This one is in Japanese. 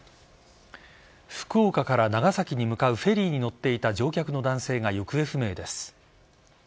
福岡から長崎に向かうフェリーに乗っていた乗客の男性が行方不明です。